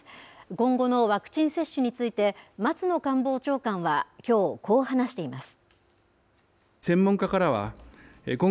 今後のワクチン接種について、松野官房長官はきょう、こう話しています。